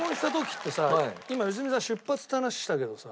今良純さん出発って話をしたけどさ。